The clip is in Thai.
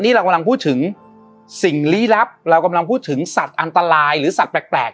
นี่เรากำลังพูดถึงสิ่งลี้ลับเรากำลังพูดถึงสัตว์อันตรายหรือสัตว์แปลก